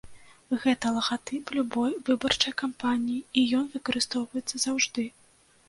Гэта лагатып любой выбарчай кампаніі і ён выкарыстоўваецца заўжды.